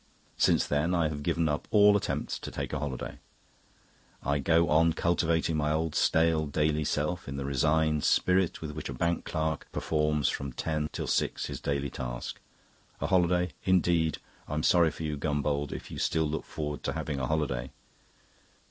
Since then I have given up all attempts to take a holiday. I go on cultivating my old stale daily self in the resigned spirit with which a bank clerk performs from ten till six his daily task. A holiday, indeed! I'm sorry for you, Gombauld, if you still look forward to having a holiday."